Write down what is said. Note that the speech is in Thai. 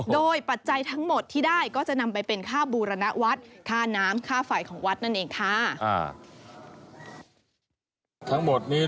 โดยปัจจัยทั้งหมดที่ได้ก็จะนำไปเป็นค่าบูรณวัฒน์